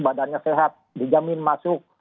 badannya sehat dijamin masuk